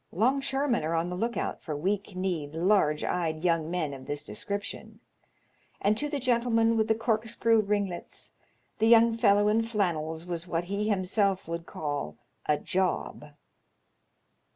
'Longshoremen are on the look out for weak kneed, large eyed young men of this description, and to the gentleman with the corkscrew ringlets the young fellow in flannels was what he himself would call a job."